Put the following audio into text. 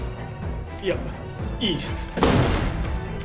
いやいい。